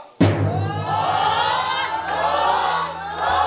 ถูกถูกถูก